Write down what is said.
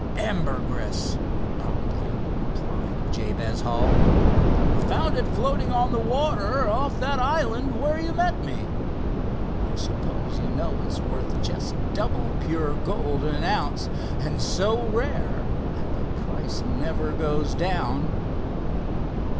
"Ambergris," promptly replied Jabez Hull. "Found it floating on the water off that island where you met me. I suppose you know it's worth just double pure gold an ounce, and so rare that the price never goes down."